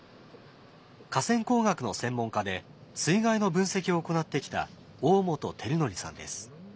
河川工学の専門家で水害の分析を行ってきた大本照憲さんです。